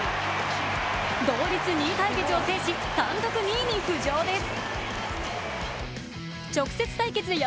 同率２位対決を制し単独２位に浮上です。